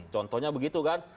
contohnya begitu kan